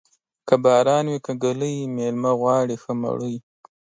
که باران وې که ږلۍ، مېلمه غواړي ښه مړۍ.